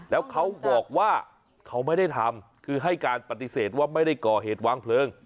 แล้วเขาบอกว่าเขาไม่ได้ทำคือให้การปฏิเสธว่าไม่ได้ก่อเหตุวางเพลิง